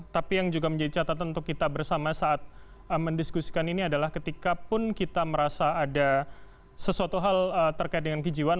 tapi yang juga menjadi catatan untuk kita bersama saat mendiskusikan ini adalah ketikapun kita merasa ada sesuatu hal terkait dengan kejiwaan